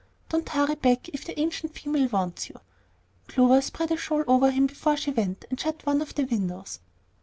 Don't hurry back if the ancient female wants you." Clover spread a shawl over him before she went and shut one of the windows.